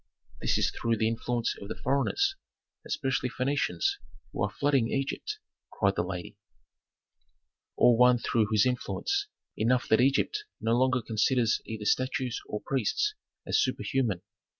"This is through the influence of foreigners, especially Phœnicians, who are flooding Egypt," cried the lady. "All one through whose influence; enough that Egypt no longer considers either statues or priests as superhuman.